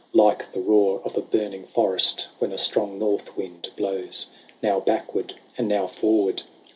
Like the roar of a burning forest. When a strong northwind blows. Now backward, and now forward.